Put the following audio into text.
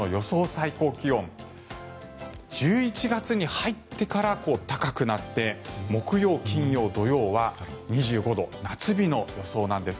最高気温１１月に入ってから高くなって木曜、金曜、土曜は２５度夏日の予想なんです。